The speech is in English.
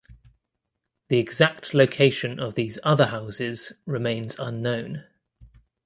The exact location of these other houses remains unknown.